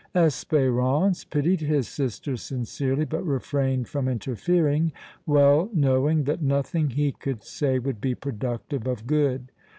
Espérance pitied his sister sincerely, but refrained from interfering, well knowing that nothing he could say would be productive of good.